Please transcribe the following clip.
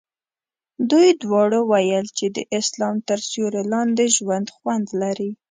دوی دواړو ویل چې د اسلام تر سیوري لاندې ژوند خوند لري.